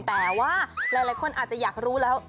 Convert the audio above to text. แต่ว่าหลายคนอาจจะอยากรู้แล้ว